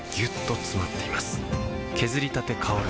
削りたて香る